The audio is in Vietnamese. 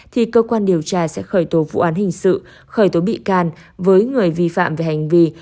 thì cơ quan điều tra sẽ khởi tố vụ án hình sự khởi tố bị can với người vi phạm về hành vi